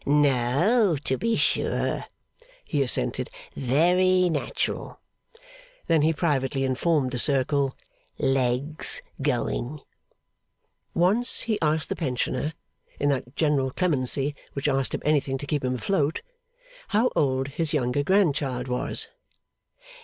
'No, to be sure,' he assented. 'Very natural.' Then he privately informed the circle ['Legs going.') Once he asked the pensioner, in that general clemency which asked him anything to keep him afloat, how old his younger grandchild was?